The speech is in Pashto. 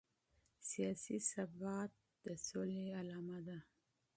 سیاسي ثبات د سولې نښه ده